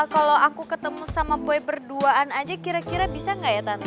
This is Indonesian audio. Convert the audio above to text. kalau aku ketemu sama boy berduaan aja kira kira bisa nggak ya tante